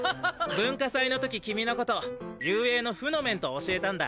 文化祭の時君のこと雄英の負の面と教えたんだ。